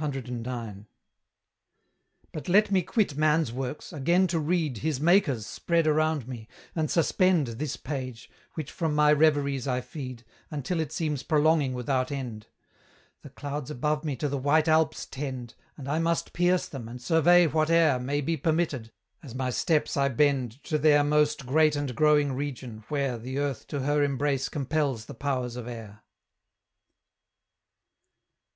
CIX. But let me quit man's works, again to read His Maker's spread around me, and suspend This page, which from my reveries I feed, Until it seems prolonging without end. The clouds above me to the white Alps tend, And I must pierce them, and survey whate'er May be permitted, as my steps I bend To their most great and growing region, where The earth to her embrace compels the powers of air.